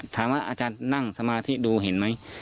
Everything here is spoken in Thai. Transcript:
อาจารย์นั่งสมาธิดูเห็นไหม